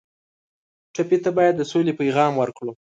ټپي ته باید د سولې پیغام ورکړو.